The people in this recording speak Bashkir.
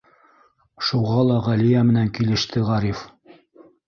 Шуға ла Ғәлиә менән килеште Ғариф.